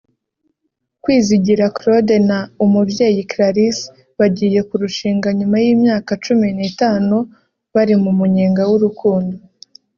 Kwizigira Claude na Umubyeyi Clarisse bagiye kurushinga nyuma y’imyaka cumi n’itanu bari mu munyenga w’urukundo